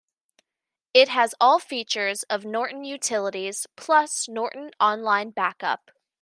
It has all features of Norton Utilities plus Norton Online Backup.